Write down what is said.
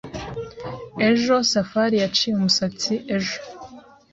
Ejo Safari yaciye umusatsi ejo.